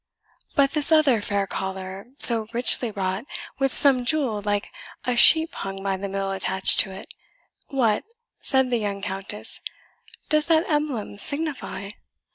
"But this other fair collar, so richly wrought, with some jewel like a sheep hung by the middle attached to it, what," said the young Countess, "does that emblem signify?"